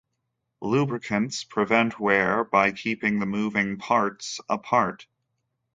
Lubricants prevent wear by keeping the moving parts apart.